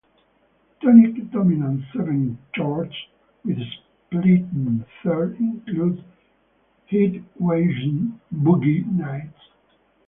Tonic dominant seventh chord with split third include Heatwave's "Boogie Nights".